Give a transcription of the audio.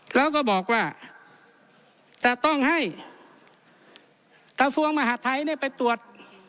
แล้วก็บอกว่าจะต้องให้กระทรวงมหาดไทยไปตรวจ